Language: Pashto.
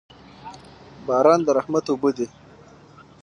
باران د رحمت اوبه دي.